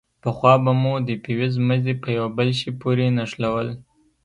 پخوا به مو د فيوز مزي په يوه بل شي پورې نښلول.